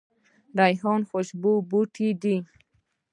ریحان خوشبویه بوټی دی